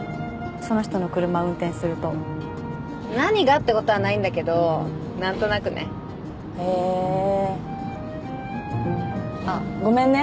その人の車運転すると何がってことはないんだけどなんとなくねへえーあっごめんね